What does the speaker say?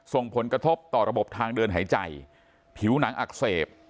ส่งผลกระทบต่อระบบทางเดินหายใจผิวหนังอักเสบ